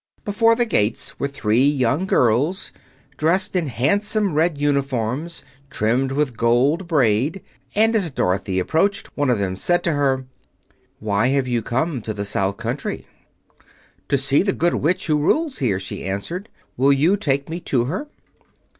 Before the gates were three young girls, dressed in handsome red uniforms trimmed with gold braid; and as Dorothy approached, one of them said to her: "Why have you come to the South Country?" "To see the Good Witch who rules here," she answered. "Will you take me to her?"